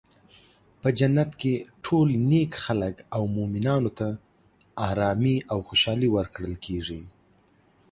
په جنت کې ټول نیک خلک او مومنانو ته ارامي او خوشحالي ورکړل کیږي.